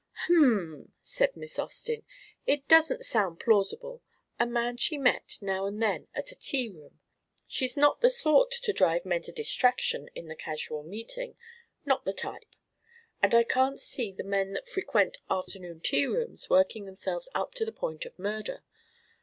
"Hm!" said Miss Austin. "It doesn't sound plausible. A man she met now and then at a tea room! She's not the sort to drive men to distraction in the casual meeting not the type. And I can't see the men that frequent afternoon tea rooms working themselves up to the point of murder.